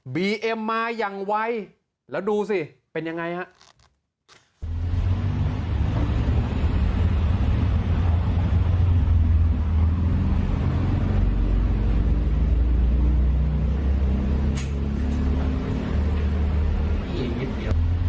บีเอ็มมาอย่างไวแล้วดูสิเป็นยังไงฮะ